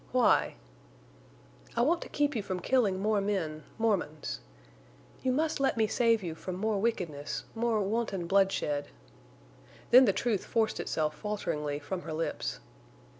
"Why?" "I want to keep you from killing more men—Mormons. You must let me save you from more wickedness—more wanton bloodshed—" Then the truth forced itself falteringly from her lips.